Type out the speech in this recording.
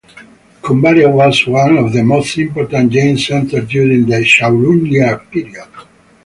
Kumbharia was one of the most important Jain centres during the Chaulukya period.